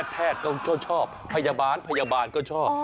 แพทย์ก็ชอบพยาบาลก็ชอบ